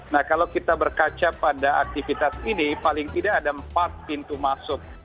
nah kalau kita berkaca pada aktivitas ini paling tidak ada empat pintu masuk